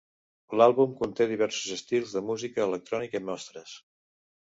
L'àlbum conté diversos estils de música electrònica i mostres.